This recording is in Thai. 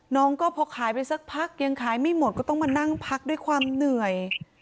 น้องก็พอขายไปสักพักยังขายไม่หมดก็ต้องมานั่งพักด้วยความเหนื่อย